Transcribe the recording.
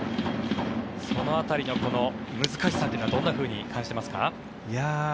その辺りの難しさはどんなふうに感じてますか。